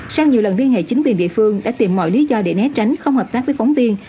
sau nhiều lần liên hệ chính quyền địa phương đã tìm mọi lý do để né tránh không hợp tác với phóng viên